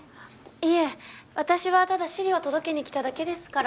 いえ私はただ資料を届けに来ただけですから。